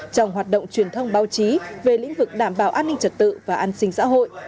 trong hoạt động truyền thông báo chí về lĩnh vực đảm bảo an ninh trật tự và an sinh xã hội